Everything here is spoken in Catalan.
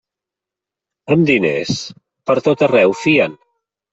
Amb diners, pertot arreu fien.